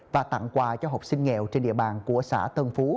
và tặng quà cho học sinh nghèo trên địa bàn của xã tân phú